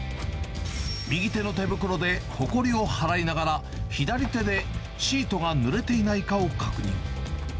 右手の手袋でほこりを払いながら、左手でシートがぬれていないかを確認。